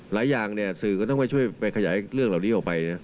หลายอย่างเนี่ยสื่อก็ต้องไปช่วยไปขยายเรื่องเหล่านี้ออกไปนะ